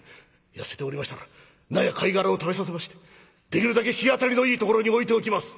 痩せておりましたら菜や貝殻を食べさせましてできるだけ日当たりのいいところに置いておきます」。